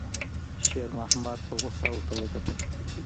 شېرمحمد په غوسه ورته وکتل.